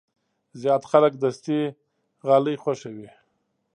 زیات خلک دستي غالۍ خوښوي.